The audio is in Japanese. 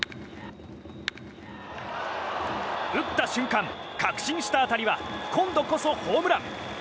打った瞬間確信した当たりは今度こそホームラン！